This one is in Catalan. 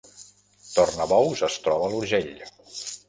Tornabous es troba a l’Urgell